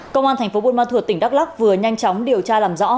công an thành phố buôn ma thuột tỉnh đắk lắc vừa nhanh chóng điều tra làm rõ